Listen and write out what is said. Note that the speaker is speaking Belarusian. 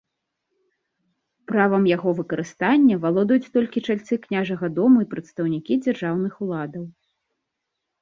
Правам яго выкарыстання валодаюць толькі чальцы княжага дому і прадстаўнікі дзяржаўных уладаў.